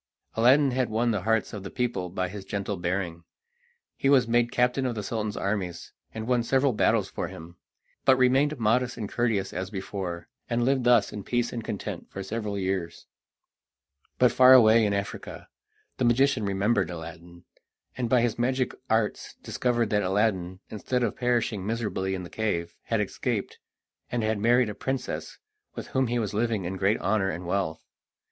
Aladdin had won the hearts of the people by his gentle bearing. He was made captain of the Sultan's armies, and won several battles for him, but remained modest and courteous as before, and lived thus in peace and content for several years. But far away in Africa the magician remembered Aladdin, and by his magic arts discovered that Aladdin, instead of perishing miserably in the cave, had escaped, and had married a princess, with whom he was living in great honour and wealth.